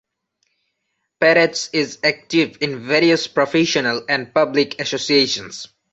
Peretz is active in various professional and public associations.